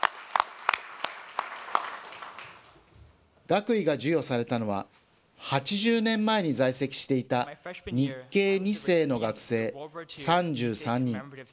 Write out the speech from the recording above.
学位が授与されたのは、８０年前に在籍していた日系２世の学生３３人。